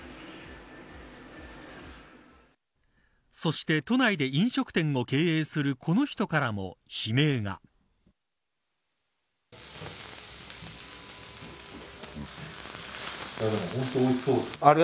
そして都内で飲食店を経営するこの人からも悲鳴が。